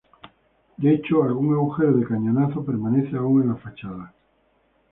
De hecho, algún agujero de cañonazo permanece aún en la fachada.